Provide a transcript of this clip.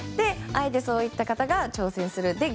あえてそういった方が挑戦すると。